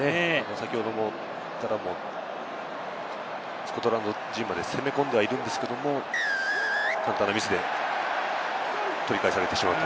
先ほどからもスコットランド陣まで攻めているんですけれども、簡単なミスで取り返されてしまって。